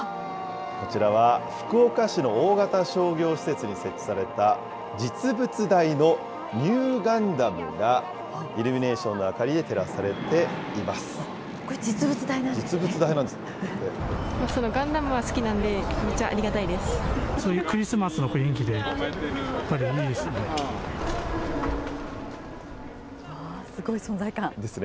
こちらは福岡市の大型商業施設に設置された、実物大のνガンダムがイルミネーションの明かりで照らされていまこれ、実物大なんですね。